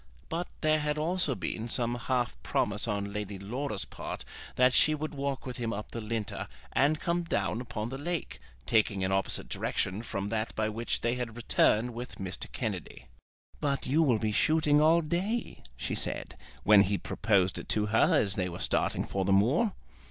But there had also been some half promise on Lady Laura's part that she would walk with him up the Linter and come down upon the lake, taking an opposite direction from that by which they had returned with Mr. Kennedy. "But you will be shooting all day," she said, when he proposed it to her as they were starting for the moor.